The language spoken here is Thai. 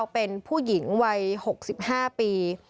เป็นผู้หญิงวัย๖๕ปี